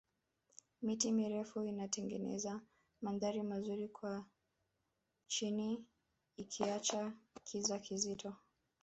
miti mirefu inatengeneza mandhari mazuri kwa chini ikiacha kiza kizito